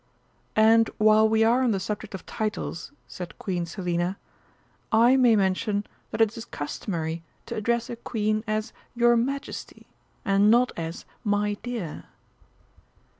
"And while we are on the subject of titles," said Queen Selina, "I may mention that it is customary to address a Queen as 'Your Majesty,' and not as 'my dear.'"